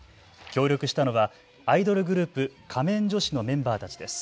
協力したのはアイドルグループ、仮面女子のメンバーたちです。